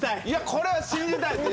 これは信じたいです。